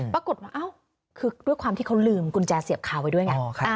ปรากฏว่าคือด้วยความที่เขาลืมกุญแจเสียบคาไว้ด้วยไง